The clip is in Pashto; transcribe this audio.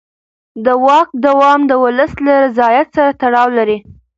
د واک دوام د ولس له رضایت سره تړاو لري